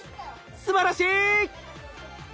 すばらしい！